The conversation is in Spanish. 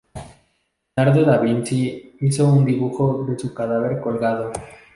Leonardo da Vinci hizo un dibujo de su cadáver colgado.